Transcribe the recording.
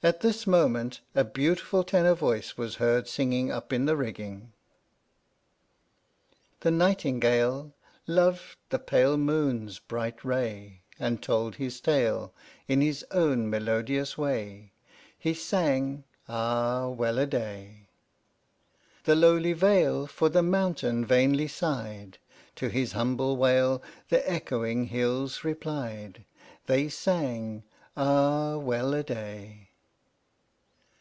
At this moment, a beautiful tenor voice was heard singing up in the rigging: 18 H.M.S. "PINAFORE" The Nightingale Loved the pale moon's bright ray And told his tale In his own melodious way, He sang, " Ah, Well a day!" The lowly vale For the mountain vainly sighed; To his humble wail The echoing hills replied, They sang, "Ah, Well a day!"